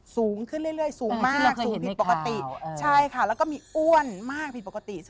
สูงขึ้นเรื่อยสูงมากสูงผิดปกติใช่ค่ะแล้วก็มีอ้วนมากผิดปกติ